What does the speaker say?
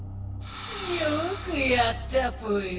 よくやったぽよ！